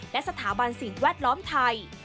และสถาบันสิ่งแวดล้อมไทย